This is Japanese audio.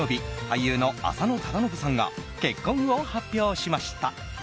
俳優の浅野忠信さんが結婚を発表しました。